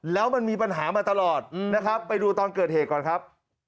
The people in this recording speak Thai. แล้วมันมีปัญหามาตลอดนะครับไปดูตอนเกิดเหตุก่อนครับ